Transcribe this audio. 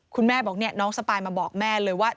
คุณแม่บอกน้องสปายมาบอกแม่เลยว่า